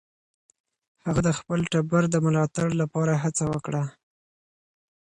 هغه د خپل ټبر د ملاتړ لپاره هڅه وکړه.